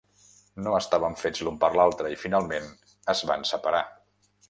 No estaven fets l'un per l'altre i, finalment, es van separar.